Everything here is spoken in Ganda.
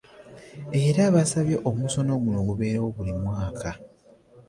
Era basabye omusomo guno gubeewo buli mwaka.